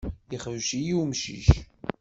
Ixbec-iyi umcic.